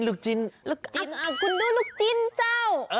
ลูกจิ้นคุณดูลูกจิ้นจ้าว